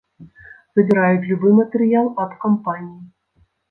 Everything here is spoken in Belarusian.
Забіраюць любы матэрыял аб кампаніі.